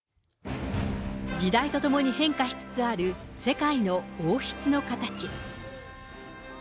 時代とともに変化しつつある世界の王室の形。